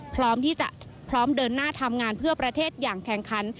พร้อมที่จะพร้อมเดินหน้าทำงานเพื่อประเทศอย่างแข่งขัน